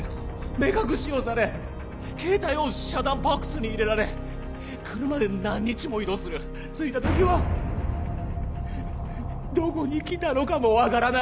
目隠しをされ携帯を遮断ボックスに入れられ車で何日も移動する着いた時はどこに来たのかも分からない